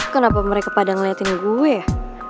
kenapa mereka pada ngeliatin gue